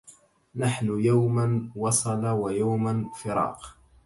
نحن يوما وصل ويوما فراق